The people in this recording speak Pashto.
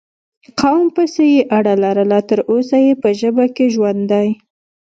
قوم پسې یې اړه لرله، تر اوسه یې په ژبه کې ژوندی